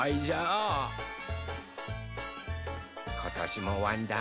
ことしもわんだー